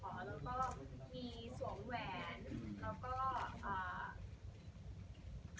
แล้วก็มีสวงแหวน